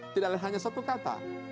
tidak hanya satu kata